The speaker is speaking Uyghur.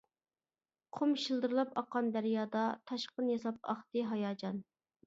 قۇم شىلدىرلاپ ئاققان دەريادا، تاشقىن ياساپ ئاقتى ھاياجان.